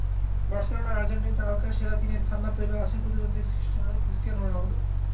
বার্সেলোনার আর্জেন্টাইন তারকা সেরা তিনে স্থান না পেলেও আছেন প্রতিদ্বন্দ্বী ক্রিস্টিয়ানো রোনালদো।